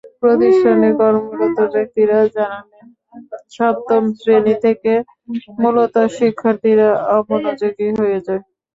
প্রতিষ্ঠানে কর্মরত ব্যক্তিরা জানালেন, সপ্তম শ্রেণি থেকে মূলত শিক্ষার্থীরা অমনোযোগী হয়ে যায়।